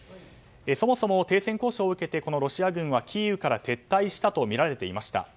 そもそも停戦交渉を受けてロシア軍はキーウから撤退したとみられていました。